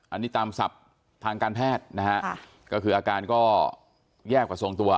อันนี้ตามศัพท์ทางการแพทย์นะฮะก็คืออาการก็แย่กว่าทรงตัว